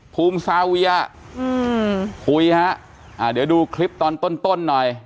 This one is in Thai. ภูมิซาเวียอืมคุยฮะอ่าเดี๋ยวดูคลิปตอนต้นต้นหน่อย